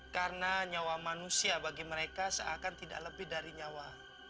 karena nyawa manusia bagi mereka seakan tidak lebih dari nyawa